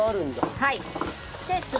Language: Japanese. はい。